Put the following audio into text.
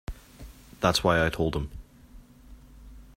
That's why I told him.